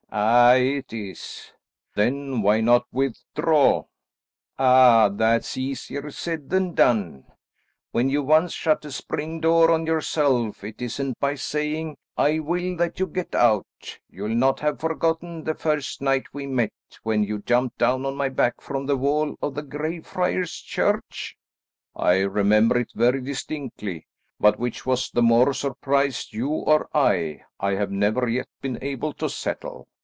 "Aye, it is." "Then why not withdraw?" "Ah, that's easier said than done. When you once shut a spring door on yourself, it isn't by saying 'I will' that you get out. You'll not have forgotten the first night we met, when you jumped down on my back from the wall of the Grey Friars' Church?" "I remember it very distinctly, but which was the more surprised, you or I, I have never yet been able to settle.